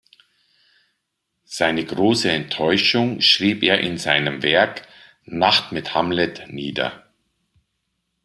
Seine große Enttäuschung schrieb er in seinem Werk "Nacht mit Hamlet" nieder.